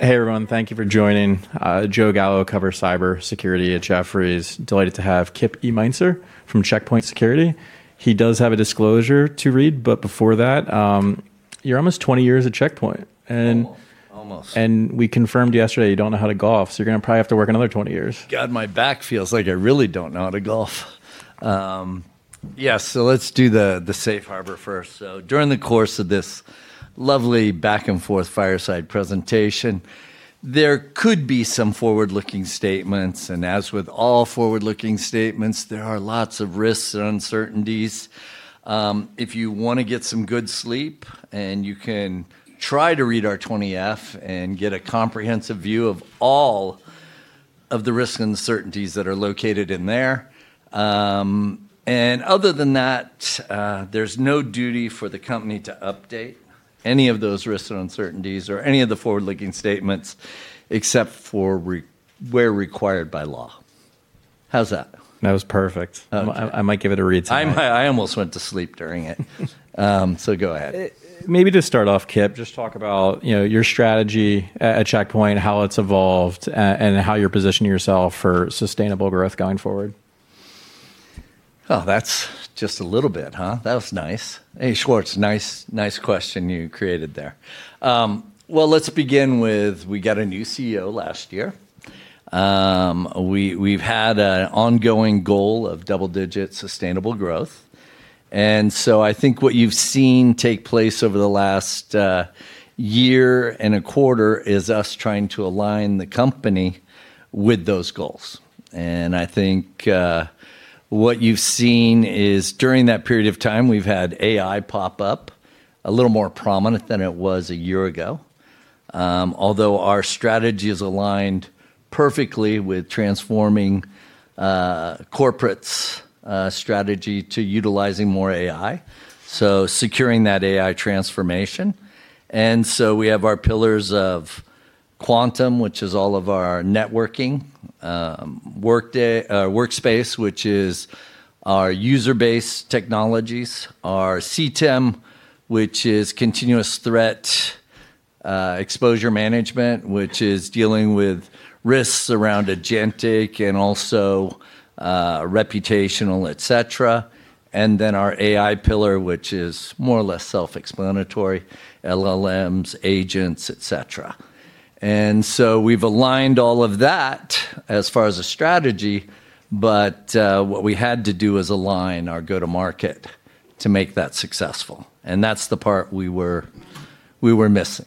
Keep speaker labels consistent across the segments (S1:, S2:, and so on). S1: Hey everyone. Thank you for joining. Joe Gallo, cover cybersecurity at Jefferies. Delighted to have Kip E. Meintzer from Check Point Software Technologies. He does have a disclosure to read, before that, you're almost 20 years at Check Point and-
S2: Almost
S1: We confirmed yesterday you don't know how to golf, so you're going to probably have to work another 20 years.
S2: God, my back feels like I really don't know how to golf. Yeah, let's do the safe harbor first. During the course of this lovely back and forth fireside presentation, there could be some forward-looking statements, and as with all forward-looking statements, there are lots of risks and uncertainties. If you want to get some good sleep, and you can try to read our 20-F and get a comprehensive view of all of the risks and uncertainties that are located in there. Other than that, there's no duty for the company to update any of those risks and uncertainties or any of the forward-looking statements except for where required by law. How's that?
S1: That was perfect.
S2: Okay.
S1: I might give it a read tonight.
S2: I almost went to sleep during it. Go ahead.
S1: Maybe to start off, Kip, just talk about your strategy at Check Point, how it's evolved, and how you're positioning yourself for sustainable growth going forward.
S2: Oh, that's just a little bit, huh? That was nice. Hey, Joe, it's nice question you created there. Well, let's begin with, we got a new CEO last year. We've had an ongoing goal of double-digit sustainable growth. I think what you've seen take place over the last year and a quarter is us trying to align the company with those goals. I think what you've seen is, during that period of time, we've had AI pop up a little more prominent than it was a year ago. Our strategy is aligned perfectly with transforming corporate strategy to utilizing more AI. Securing that AI transformation. We have our pillars of Quantum, which is all of our networking, Workspace, which is our user base technologies. Our CTEM, which is Continuous Threat Exposure Management, which is dealing with risks around agentic and also, reputational, et cetera. Our AI pillar, which is more or less self-explanatory, LLMs, agents, et cetera. We've aligned all of that as far as a strategy, but what we had to do is align our go-to-market to make that successful, and that's the part we were missing.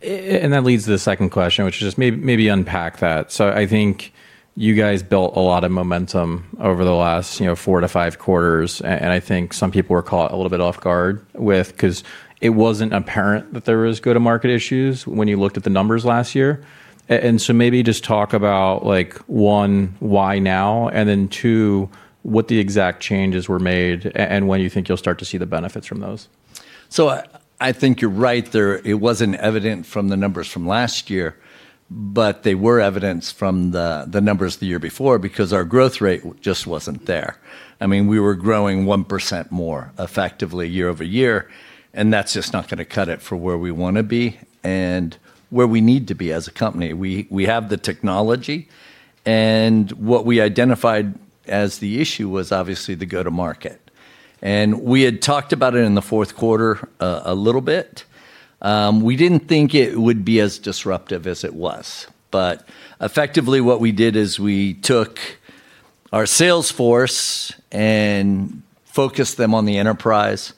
S1: That leads to the second question, which is just maybe unpack that. I think you guys built a lot of momentum over the last four to five quarters, and I think some people were caught a little bit off guard with, because it wasn't apparent that there was go to market issues when you looked at the numbers last year. Maybe just talk about, one, why now? And then two, what the exact changes were made and when you think you'll start to see the benefits from those.
S2: I think you're right. It wasn't evident from the numbers from last year, but they were evidenced from the numbers the year before because our growth rate just wasn't there. We were growing 1% more effectively year-over-year, and that's just not going to cut it for where we want to be and where we need to be as a company. We have the technology. What we identified as the issue was obviously the go to market. We had talked about it in the fourth quarter a little bit. We didn't think it would be as disruptive as it was. Effectively, what we did is we took our sales force and focused them on the enterprise,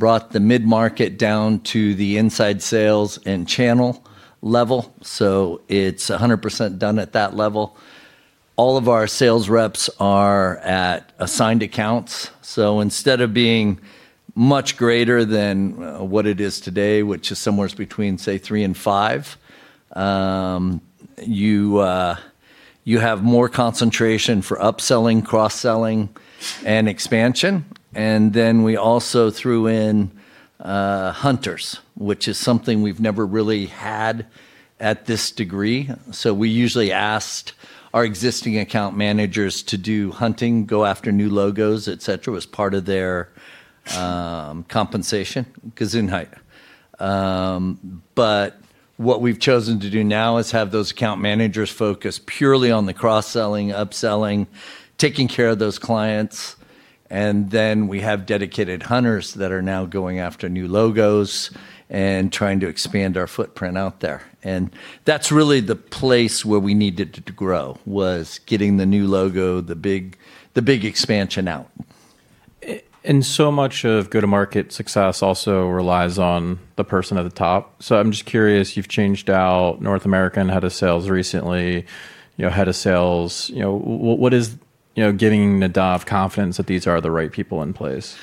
S2: brought the mid-market down to the inside sales and channel level, so it's 100% done at that level. All of our sales reps are at assigned accounts, so instead of being much greater than what it is today, which is somewhere between, say, three and five, you have more concentration for upselling, cross-selling and expansion. We also threw in hunters, which is something we've never really had at this degree. We usually asked our existing account managers to do hunting, go after new logos, et cetera. It was part of their compensation. Gesundheit. What we've chosen to do now is have those account managers focus purely on the cross-selling, upselling, taking care of those clients. We have dedicated hunters that are now going after new logos and trying to expand our footprint out there. That's really the place where we needed to grow, was getting the new logo, the big expansion out.
S1: So much of go to market success also relies on the person at the top. I'm just curious, you've changed out North American head of sales recently. What is giving Nadav confidence that these are the right people in place?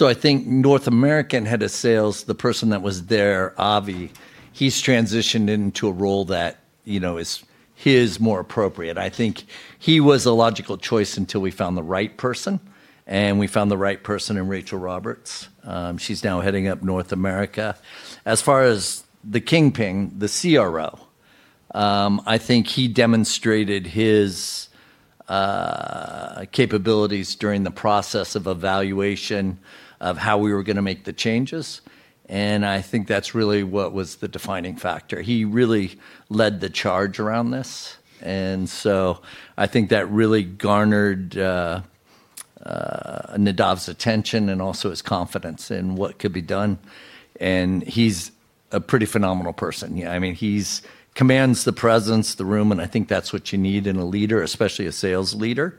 S2: I think North American head of sales, the person that was there, Avi, he's transitioned into a role that is more appropriate. I think he was a logical choice until we found the right person, and we found the right person in Rachel Roberts. She's now heading up North America. As far as the kingpin, the CRO, I think he demonstrated his capabilities during the process of evaluation of how we were going to make the changes, and I think that's really what was the defining factor. He really led the charge around this, I think that really garnered Nadav's attention and also his confidence in what could be done, and he's a pretty phenomenal person. He commands the presence of the room, and I think that's what you need in a leader, especially a sales leader.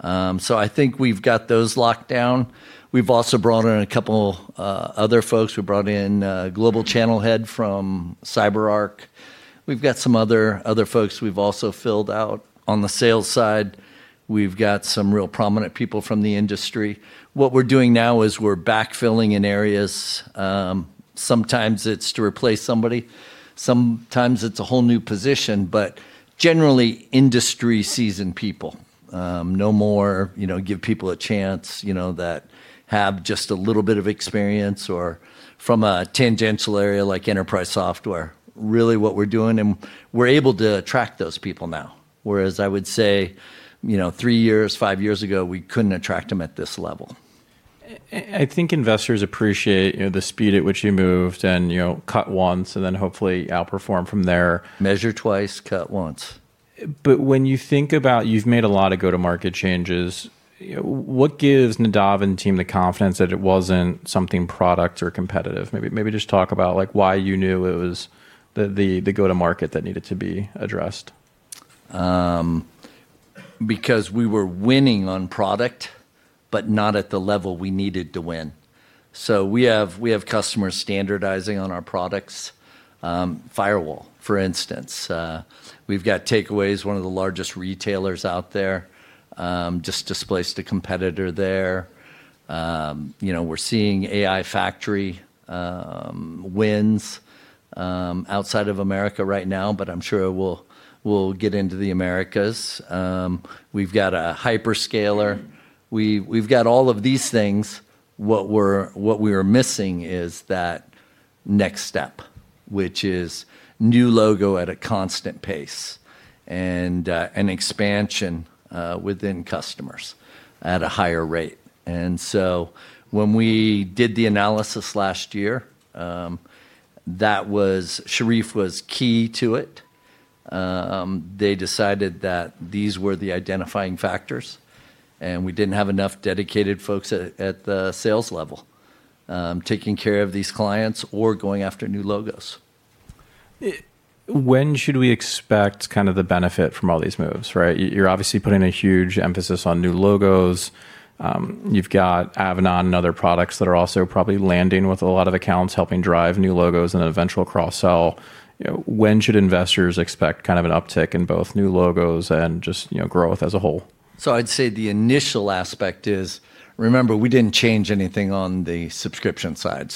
S2: I think we've got those locked down. We've also brought on a couple other folks. We brought in a Global Channel Head from CyberArk. We've got some other folks we've also filled out on the sales side. We've got some real prominent people from the industry. What we're doing now is we're backfilling in areas. Sometimes it's to replace somebody, sometimes it's a whole new position, but generally industry-seasoned people. No more give people a chance that have just a little bit of experience or from a tangential area like enterprise software. Really what we're doing, and we're able to attract those people now, whereas I would say three years, five years ago, we couldn't attract them at this level.
S1: I think investors appreciate the speed at which you moved and cut once and then hopefully outperform from there.
S2: Measure twice, cut once.
S1: When you think about you've made a lot of go-to-market changes, what gives Nadav and team the confidence that it wasn't something product or competitive? Maybe just talk about why you knew it was the go-to-market that needed to be addressed.
S2: We were winning on product, but not at the level we needed to win. We have customers standardizing on our products. Firewall, for instance. We've got Takealot, one of the largest retailers out there, just displaced a competitor there. We're seeing AI Factory wins outside of America right now, but I'm sure we'll get into the Americas. We've got a hyperscaler. We've got all of these things. What we're missing is that next step, which is new logo at a constant pace and an expansion within customers at a higher rate. When we did the analysis last year, Sherif was key to it. They decided that these were the identifying factors, and we didn't have enough dedicated folks at the sales level taking care of these clients or going after new logos.
S1: When should we expect the benefit from all these moves? You're obviously putting a huge emphasis on new logos. You've got Avanan and other products that are also probably landing with a lot of accounts, helping drive new logos and an eventual cross-sell. When should investors expect an uptick in both new logos and just growth as a whole?
S2: I'd say the initial aspect is, remember, we didn't change anything on the subscription side,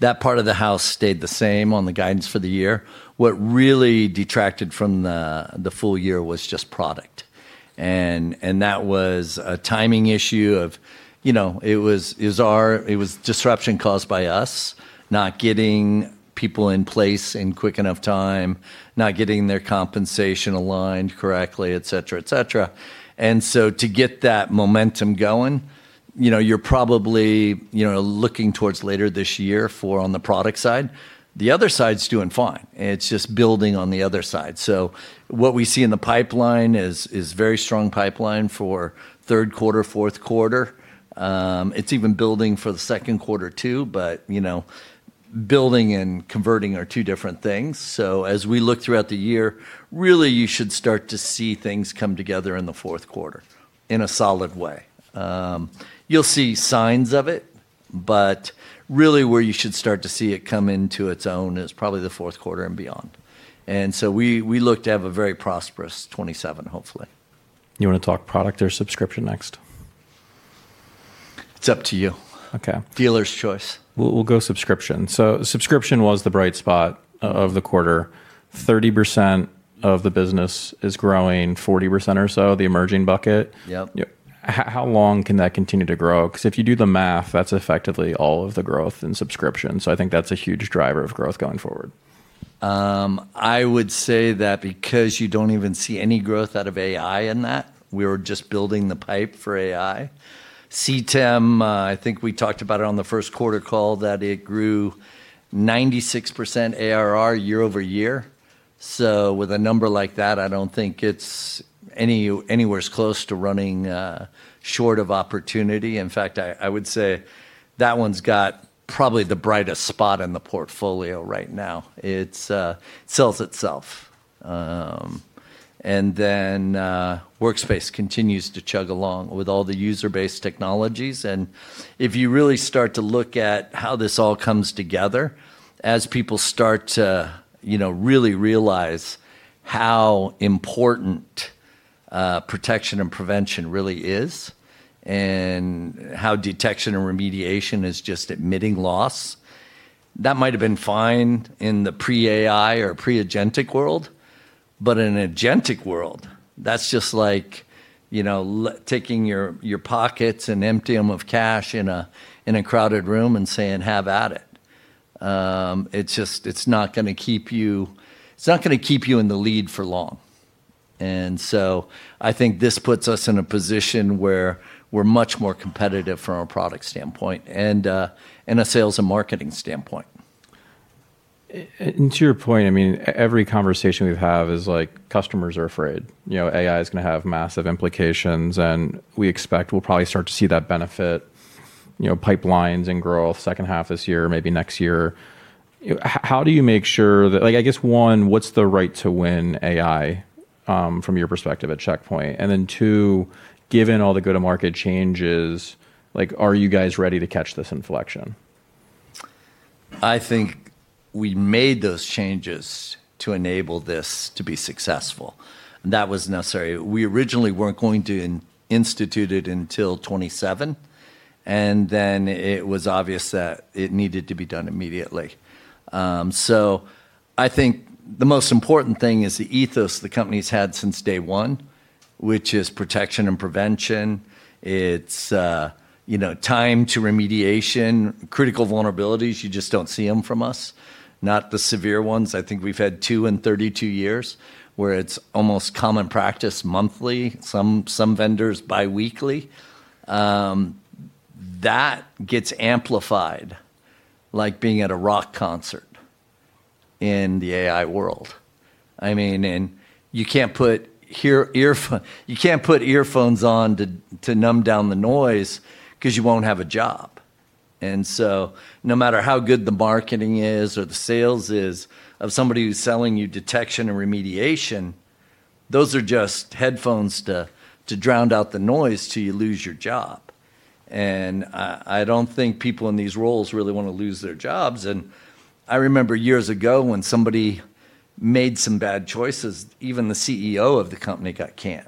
S2: that part of the house stayed the same on the guidance for the year. What really detracted from the full year was just product, and that was a timing issue of it was disruption caused by us not getting people in place in quick enough time, not getting their compensation aligned correctly, et cetera. To get that momentum going, you're probably looking towards later this year for on the product side. The other side's doing fine. It's just building on the other side. What we see in the pipeline is very strong pipeline for third quarter, fourth quarter. It's even building for the second quarter too, but building and converting are two different things. As we look throughout the year, really you should start to see things come together in the fourth quarter in a solid way. You'll see signs of it, but really where you should start to see it come into its own is probably the fourth quarter and beyond. We look to have a very prosperous 2027, hopefully.
S1: You want to talk product or subscription next?
S2: It's up to you.
S1: Okay.
S2: Dealer's choice.
S1: We'll go subscription. Subscription was the bright spot of the quarter. 30% of the business is growing, 40% or so, the emerging bucket.
S2: Yep.
S1: How long can that continue to grow? If you do the math, that's effectively all of the growth in subscription. I think that's a huge driver of growth going forward.
S2: I would say that because you don't even see any growth out of AI in that, we are just building the pipe for AI. CTEM, I think we talked about it on the first quarter call that it grew 96% ARR year-over-year. With a number like that, I don't think it's anywhere close to running short of opportunity. In fact, I would say that one's got probably the brightest spot in the portfolio right now. It sells itself. Harmony continues to chug along with all the user-based technologies, and if you really start to look at how this all comes together, as people start to really realize how important protection and prevention really is and how detection and remediation is just admitting loss, that might have been fine in the pre-AI or pre-agentic world, but in an agentic world, that's just like taking your pockets and emptying them of cash in a crowded room and saying, "Have at it." It's not going to keep you in the lead for long. I think this puts us in a position where we're much more competitive from a product standpoint and a sales and marketing standpoint.
S1: To your point, every conversation we have is like, customers are afraid. AI is going to have massive implications, and we expect we'll probably start to see that benefit, pipelines and growth second half this year, maybe next year. How do you make sure that, I guess, one, what's the right to win AI from your perspective at Check Point? Two, given all the go-to-market changes, are you guys ready to catch this inflection?
S2: I think we made those changes to enable this to be successful. That was necessary. We originally weren't going to institute it until 2027, and then it was obvious that it needed to be done immediately. I think the most important thing is the ethos the company's had since day one, which is protection and prevention. It's time to remediation. Critical vulnerabilities, you just don't see them from us, not the severe ones. I think we've had two in 32 years, where it's almost common practice monthly, some vendors bi-weekly. That gets amplified like being at a rock concert in the AI world. You can't put earphones on to numb down the noise because you won't have a job. No matter how good the marketing is or the sales is of somebody who's selling you detection and remediation, those are just headphones to drown out the noise till you lose your job. I don't think people in these roles really want to lose their jobs. I remember years ago when somebody made some bad choices, even the CEO of the company got canned.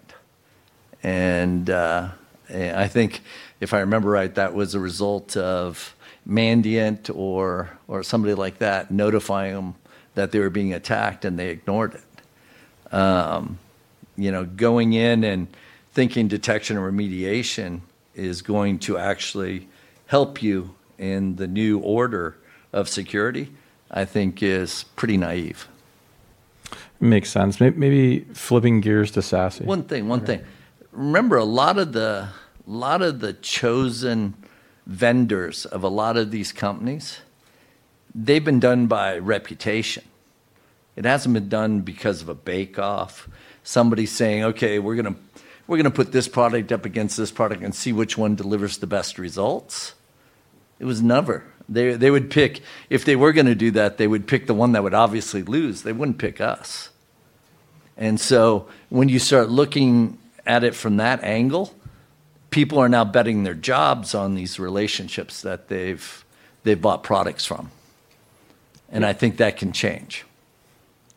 S2: I think if I remember right, that was a result of Mandiant or somebody like that notifying them that they were being attacked, and they ignored it. Going in thinking detection and remediation is going to actually help you in the new order of security, I think is pretty naive.
S1: Makes sense. Maybe flipping gears to SASE.
S2: One thing.
S1: Yeah.
S2: Remember, a lot of the chosen vendors of a lot of these companies, they've been done by reputation. It hasn't been done because of a bake-off, somebody saying, "Okay, we're going to put this product up against this product and see which one delivers the best results." It was never. If they were going to do that, they would pick the one that would obviously lose. They wouldn't pick us. When you start looking at it from that angle, people are now betting their jobs on these relationships that they've bought products from. I think that can change.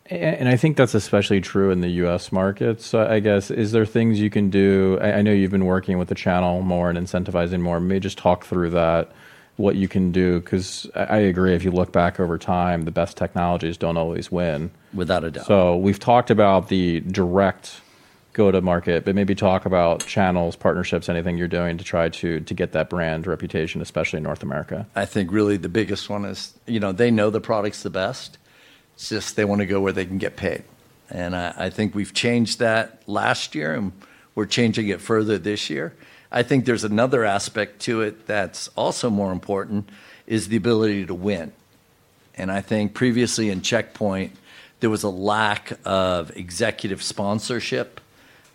S1: I think that's especially true in the U.S. market. I guess, is there things you can do? I know you've been working with the channel more and incentivizing more. Maybe just talk through that, what you can do, because I agree, if you look back over time, the best technologies don't always win.
S2: Without a doubt.
S1: We've talked about the direct go-to market, but maybe talk about channels, partnerships, anything you're doing to try to get that brand reputation, especially in North America.
S2: I think really the biggest one is, they know the products the best. It's just they want to go where they can get paid. I think we've changed that last year, and we're changing it further this year. I think there's another aspect to it that's also more important is the ability to win. I think previously in Check Point, there was a lack of executive sponsorship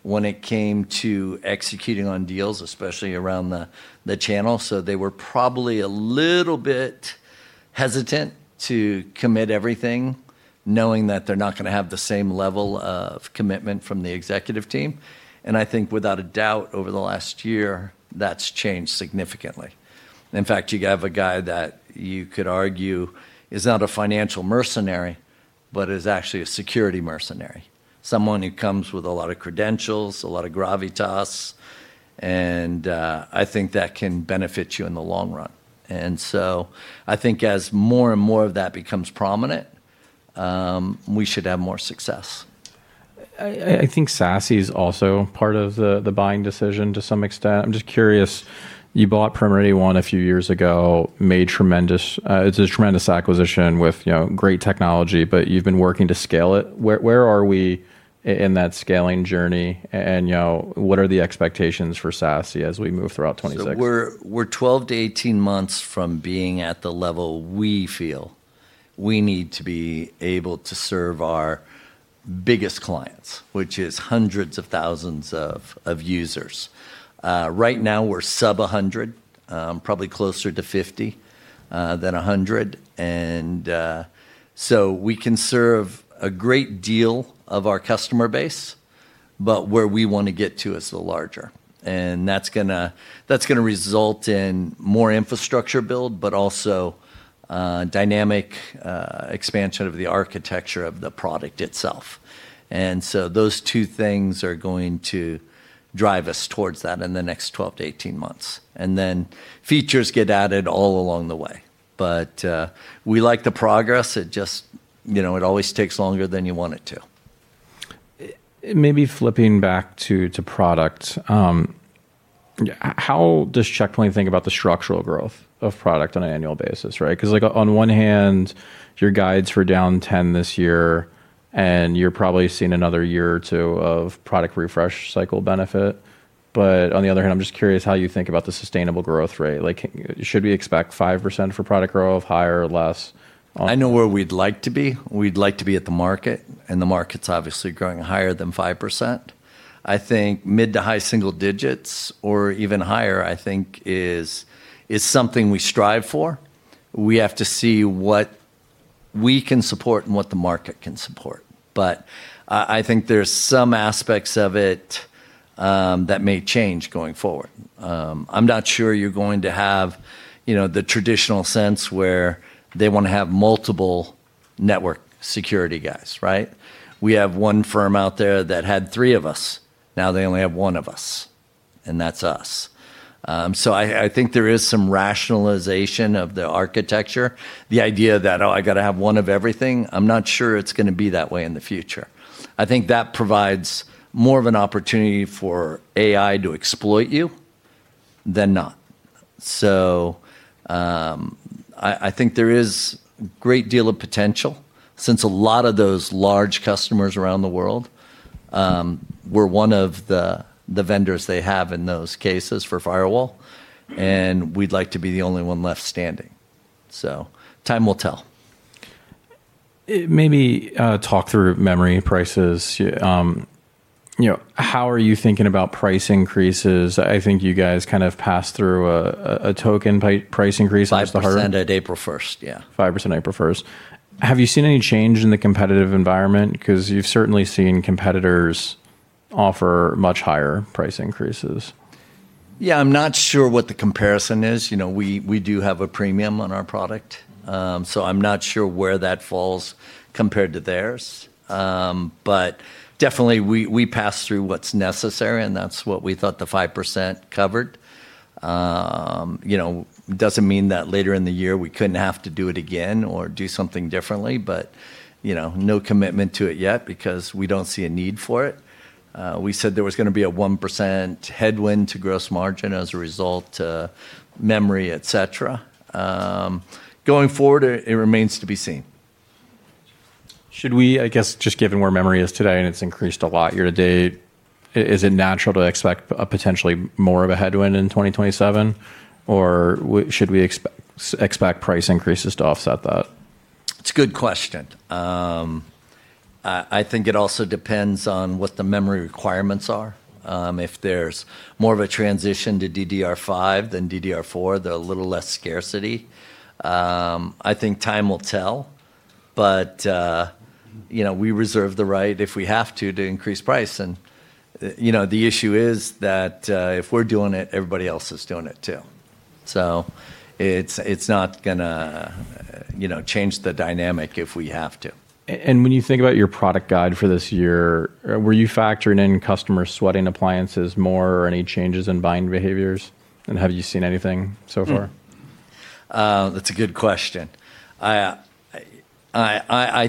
S2: when it came to executing on deals, especially around the channel. They were probably a little bit hesitant to commit everything, knowing that they're not going to have the same level of commitment from the executive team. I think without a doubt, over the last year, that's changed significantly. In fact, you have a guy that you could argue is not a financial mercenary, but is actually a security mercenary. Someone who comes with a lot of credentials, a lot of gravitas, I think that can benefit you in the long run. I think as more and more of that becomes prominent, we should have more success.
S1: I think SASE is also part of the buying decision to some extent. I'm just curious, you bought Perimeter 81 a few years ago, it's a tremendous acquisition with great technology, but you've been working to scale it. Where are we in that scaling journey? What are the expectations for SASE as we move throughout 2026?
S2: We're 12-18 months from being at the level we feel we need to be able to serve our biggest clients, which is hundreds of thousands of users. Right now, we're sub-100, probably closer to 50 than 100. We can serve a great deal of our customer base, but where we want to get to is the larger. That's going to result in more infrastructure build, but also dynamic expansion of the architecture of the product itself. Those two things are going to drive us towards that in the next 12-18 months. Features get added all along the way. We like the progress, it always takes longer than you want it to.
S1: Maybe flipping back to product. How does Check Point think about the structural growth of product on an annual basis, right? On one hand, your guides were down 10 this year, and you're probably seeing another year or two of product refresh cycle benefit. On the other hand, I'm just curious how you think about the sustainable growth rate. Should we expect 5% for product growth, higher or less?
S2: I know where we'd like to be. We'd like to be at the market, and the market's obviously growing higher than 5%. I think mid to high single digits or even higher, I think is something we strive for. We have to see what we can support and what the market can support. I think there's some aspects of it that may change going forward. I'm not sure you're going to have the traditional sense where they want to have multiple network security guys, right? We have one firm out there that had three of us. Now they only have one of us, and that's us. I think there is some rationalization of the architecture. The idea that, oh, I got to have one of everything, I'm not sure it's going to be that way in the future. I think that provides more of an opportunity for AI to exploit you than not. I think there is great deal of potential since a lot of those large customers around the world, were one of the vendors they have in those cases for firewall, and we'd like to be the only one left standing. Time will tell.
S1: Maybe talk through memory prices. How are you thinking about price increases? I think you guys kind of passed through a token price increase.
S2: 5% at April 1st, yeah.
S1: 5% April 1st. Have you seen any change in the competitive environment? You've certainly seen competitors offer much higher price increases.
S2: Yeah. I'm not sure what the comparison is. We do have a premium on our product, so I'm not sure where that falls compared to theirs. Definitely, we pass through what's necessary, and that's what we thought the 5% covered. Doesn't mean that later in the year we couldn't have to do it again or do something differently, but no commitment to it yet because we don't see a need for it. We said there was going to be a 1% headwind to gross margin as a result of memory, et cetera. Going forward, it remains to be seen.
S1: Should we, I guess, just given where memory is today, and it's increased a lot year to date, is it natural to expect potentially more of a headwind in 2027? Or should we expect price increases to offset that?
S2: It's a good question. I think it also depends on what the memory requirements are. If there's more of a transition to DDR5 than DDR4, they're a little less scarcity. I think time will tell. We reserve the right, if we have to increase price. The issue is that if we're doing it, everybody else is doing it, too. It's not going to change the dynamic if we have to.
S1: When you think about your product guide for this year, were you factoring in customers sweating appliances more or any changes in buying behaviors? Have you seen anything so far?
S2: That's a good question. I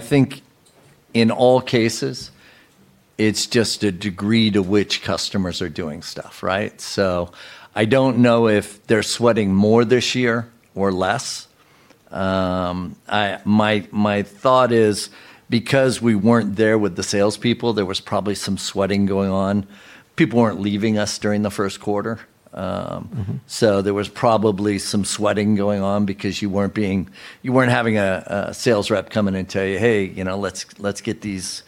S2: think in all cases, it's just a degree to which customers are doing stuff, right? I don't know if they're sweating more this year or less. My thought is because we weren't there with the salespeople, there was probably some sweating going on. People weren't leaving us during the first quarter. There was probably some sweating going on because you weren't having a sales rep come in and tell you, "Hey, let's get these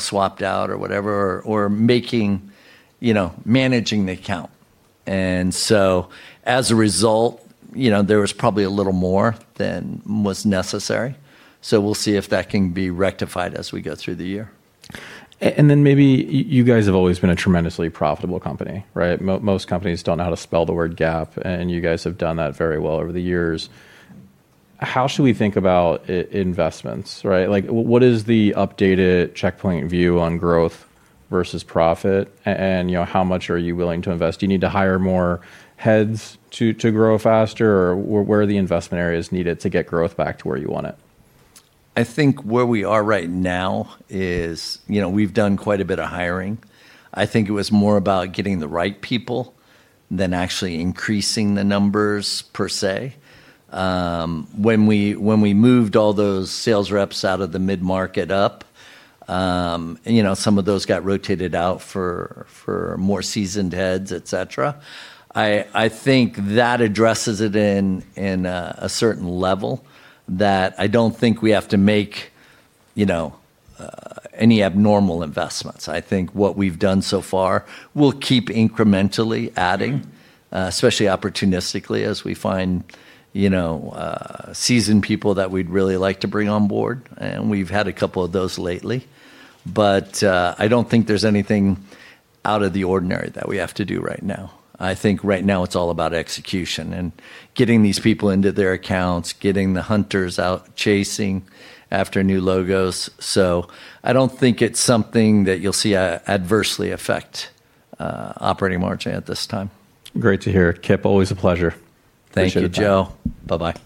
S2: swapped out," or whatever, or managing the account. As a result, there was probably a little more than was necessary. We'll see if that can be rectified as we go through the year.
S1: You guys have always been a tremendously profitable company, right? Most companies don't know how to spell the word GAAP, and you guys have done that very well over the years. How should we think about investments, right? What is the updated Check Point view on growth versus profit? How much are you willing to invest? Do you need to hire more heads to grow faster? Where are the investment areas needed to get growth back to where you want it?
S2: I think where we are right now is we've done quite a bit of hiring. I think it was more about getting the right people than actually increasing the numbers per se. When we moved all those sales reps out of the mid-market up, some of those got rotated out for more seasoned heads, et cetera. I think that addresses it in a certain level that I don't think we have to make any abnormal investments. I think what we've done so far will keep incrementally adding. Especially opportunistically, as we find seasoned people that we'd really like to bring on board, and we've had a couple of those lately. I don't think there's anything out of the ordinary that we have to do right now. I think right now it's all about execution and getting these people into their accounts, getting the hunters out chasing after new logos. I don't think it's something that you'll see adversely affect operating margin at this time.
S1: Great to hear. Kip, always a pleasure.
S2: Thank you, Joe.
S1: Appreciate your time.
S2: Bye-bye.